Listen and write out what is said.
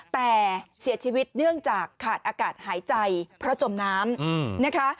แต่เสียชีวิตเนื่องจากขาดอากาศหายใจเพราะจมน้ำนะคะ